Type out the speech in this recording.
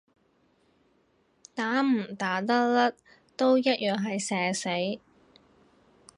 打唔打得甩都一樣係社死